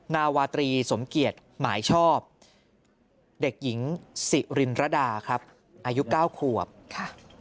นาวาตรีสมเกียจหมายชอบเด็กหญิงสิรินรดาครับอายุเก้าขวบค่ะ